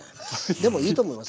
でもいいと思います。